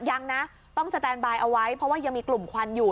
ยังนะต้องสแตนบายเอาไว้เพราะว่ายังมีกลุ่มควันอยู่